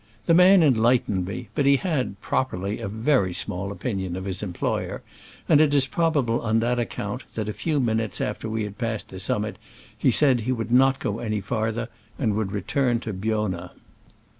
The man enlightened me, but he had, properly, a very small opinion, of his employer, and it is probably on that account that, a few minutes after we had passed the summit, he said he would not go any farther and would return to Biona.